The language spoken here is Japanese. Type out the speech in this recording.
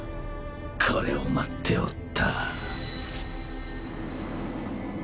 これを待っておった。